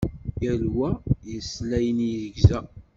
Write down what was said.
Yal wa yessel ayen yegza.